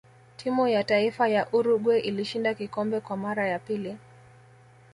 timu ya taifa ya uruguay ilishinda kikombe Kwa mara ya pili